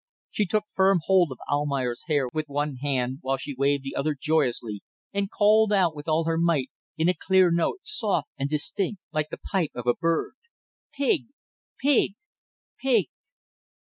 She took firm hold of Almayer's hair with one hand, while she waved the other joyously and called out with all her might, in a clear note, soft and distinct like the pipe of a bird: "Pig! Pig! Pig!"